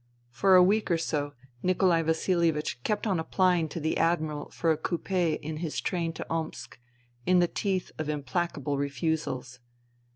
For a week or so Nikolai Vasilievich kept on applying to the Admiral for a coupe in his train to Omsk, in the teeth of implacable refusals.